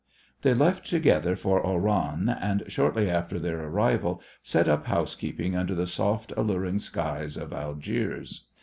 They left together for Oran, and shortly after their arrival set up housekeeping under the soft, alluring skies of Algiers.